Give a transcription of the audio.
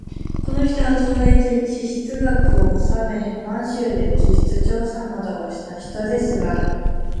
この人は東大で地質学をおさめ、満州で地質調査などをした人ですが、